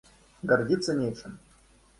Гордиться нечем.